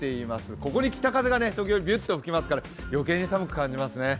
ここに北風が時折びゅっと吹きますから余計に寒く感じますね。